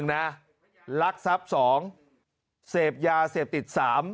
๑นะลักษัพ๒เศพยาเศพติด๓